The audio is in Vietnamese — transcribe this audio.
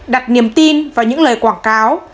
đặt niềm tin vào những lời quảng cáo